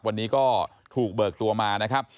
วันนี้ก็ถูกเบิกตัวมานะครับ